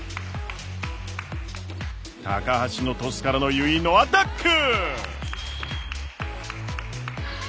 橋のトスからの油井のアタック！